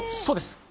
そうです。